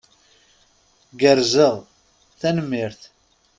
Gerrzeɣ. Tanemmirt.